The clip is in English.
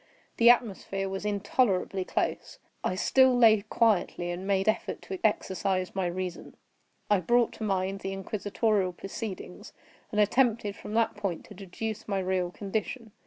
The atmosphere was intolerably close. I still lay quietly, and made effort to exercise my reason. I brought to mind the inquisitorial proceedings, and attempted from that point to deduce my real condition.